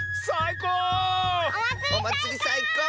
おまつりさいこう！